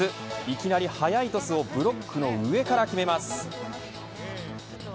いきなり速いトスをブロックの上から決めます。